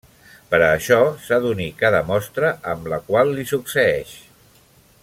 Per a això, s'ha d'unir cada mostra amb la qual li succeeix.